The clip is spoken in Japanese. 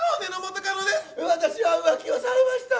私は浮気をされました。